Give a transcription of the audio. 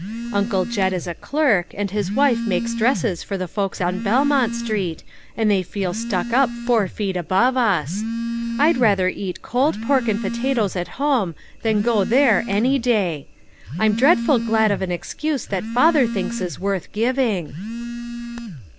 Uncle Jed is a clerk, and his wife makes dresses for the folks on Belmont street, and they feel stuck up four feet above us ; I'd rather eat cold pork and pota toes at home than to go there any day. I'm dreadful glad of an excuse that father thinks is worth giving."